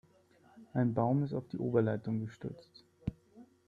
Ein Baum ist auf die Oberleitung gestürzt.